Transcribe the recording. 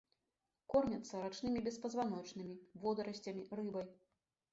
Кормяцца рачнымі беспазваночнымі, водарасцямі, рыбай.